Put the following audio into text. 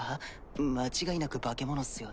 間違いなく化け物っすよね。